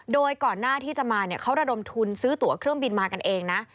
โดยก่อนหน้าที่จะมาเขาระดมทุนซื้อตัวเครื่องบินมากันเองนะ